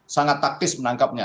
sangat taktis menangkapnya